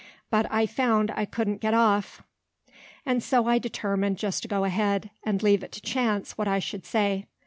But I found I couldn't get off, and so I determined just to go ahead, and leave it to chance what I should say.